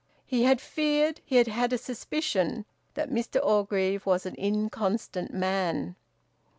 He had feared, he had had a suspicion, that Mr Orgreave was an inconstant man.